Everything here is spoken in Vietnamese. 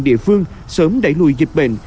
địa phương sớm đẩy lùi dịch bệnh